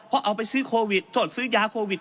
เพราะเอาไปซื้อโควิดโทษซื้อยาโควิด